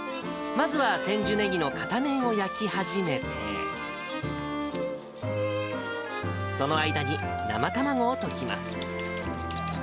まずはせんじゅネギの片面を焼き始めて、その間に生卵をときます。